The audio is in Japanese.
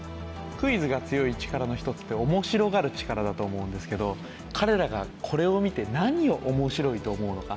クイズが強い力の一つって面白がる力だと思うんですけど彼らがこれを見て何を面白いと思うのか。